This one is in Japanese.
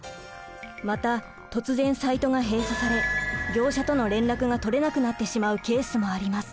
また突然サイトが閉鎖され業者との連絡が取れなくなってしまうケースもあります。